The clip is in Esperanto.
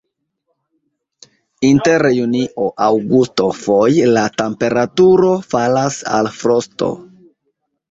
Inter junio-aŭgusto foje la temperaturo falas al frosto.